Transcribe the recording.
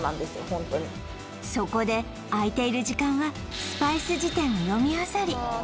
ホントにそこで空いている時間はスパイス辞典を読みあさり